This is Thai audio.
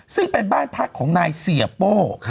ซึ่งเป็นบ้านพักของนายเสียโป้